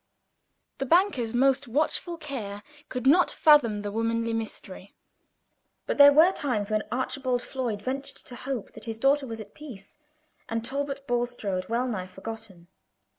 The banker's most watchful care could not fathom the womanly mystery; but there were times when Archibald Floyd ventured to hope that his daughter was at peace, and Talbot Bulstrode wellnigh forgotten.